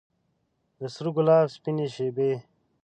د سره ګلاب سپینې شبۍ